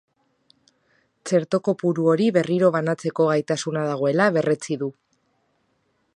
Txerto kopuru hori berriro banatzeko gaitasuna dagoela berretsi du.